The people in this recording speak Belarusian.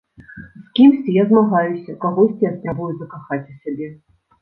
З кімсьці я змагаюся, кагосьці я спрабую закахаць у сябе.